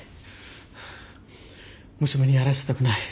娘にやらせたくない。